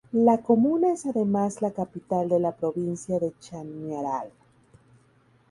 La comuna es además la capital de la provincia de Chañaral.